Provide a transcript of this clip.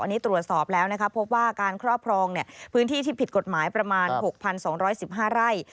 อันนี้ตรวจสอบแล้วนะครับพบว่าการครอบครองพื้นที่ที่ผิดกฎหมายประมาณ๖๒๑๕ไร่